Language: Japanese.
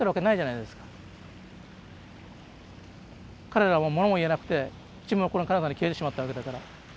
彼らはものも言えなくて沈黙の彼方に消えてしまったわけだから。